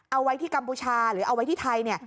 เอาไว้ที่กัมพูชาหรือเอาไว้ที่ไทยเนี่ย